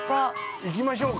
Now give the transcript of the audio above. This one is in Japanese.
◆行きましょうか。